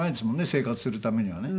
生活するためにはね。